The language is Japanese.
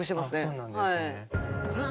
そうなんですね。